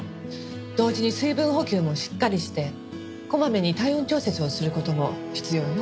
同時に水分補給もしっかりしてこまめに体温調節をする事も必要よ。